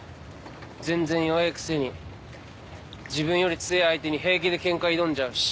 全然弱えくせに自分より強え相手に平気でケンカ挑んじゃうし。